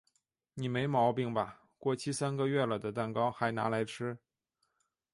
你没毛病吧？过期三个月了的蛋糕嗨拿来吃？